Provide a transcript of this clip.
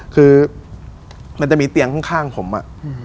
คือมันจะมีเตียงข้างผมอะ